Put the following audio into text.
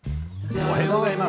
おはようございます。